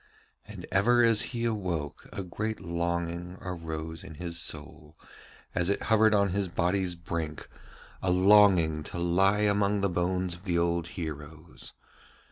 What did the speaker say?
And ever as he awoke a great longing arose in his soul as it hovered on his body's brink, a longing to lie among the bones of the old heroes.